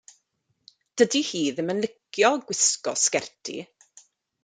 Dydi hi ddim yn licio gwisgo sgerti.